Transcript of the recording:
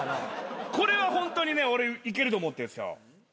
これはホントにね俺いけると思ってるんですよ。